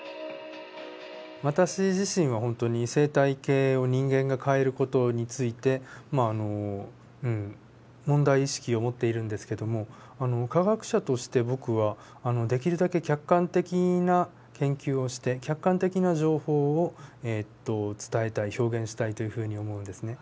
私自身は本当に生態系を人間が変える事についてまあ問題意識を持っているんですけども科学者として僕はできるだけ客観的な研究をして客観的な情報を伝えたい表現したいというふうに思うんですね。